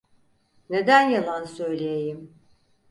Neden yalan söyleyeyim?